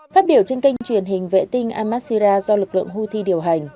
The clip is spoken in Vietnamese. phát biểu trên kênh truyền hình vệ tinh amazira do lực lượng houthi điều hành